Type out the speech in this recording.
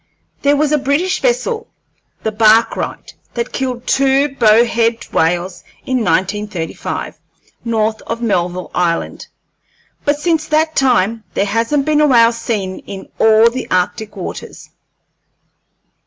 There was a British vessel, the Barkright, that killed two bow head whales in 1935, north of Melville Island, but since that time there hasn't been a whale seen in all the arctic waters.